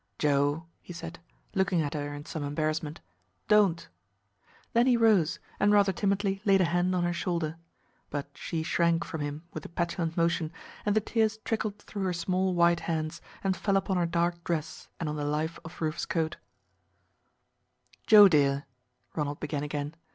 "Joe," he said, looking at her in some embarrassment, "don't!" Then he rose and rather timidly laid a hand on her shoulder. But she shrank from him with a petulant motion, and the tears trickled through her small white hands and fell upon her dark dress and on the "Life of Rufus Choate." "Joe, dear" Ronald began again.